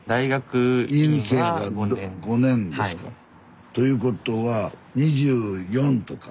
院生やから５年ですか。ということは２４とか？